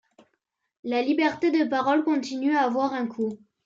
La liberté de parole continue à avoir un coût.